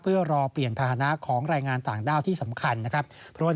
เพื่อรอเปลี่ยนภาษณะของแรงงานต่างด้าวที่สำคัญนะครับ